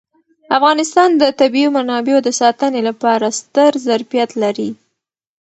افغانستان د طبیعي منابعو د ساتنې لپاره ستر ظرفیت لري.